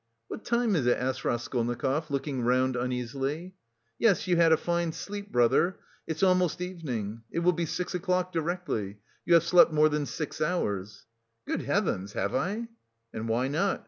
"What time is it?" asked Raskolnikov, looking round uneasily. "Yes, you had a fine sleep, brother, it's almost evening, it will be six o'clock directly. You have slept more than six hours." "Good heavens! Have I?" "And why not?